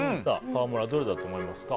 川村、どれだと思いますか？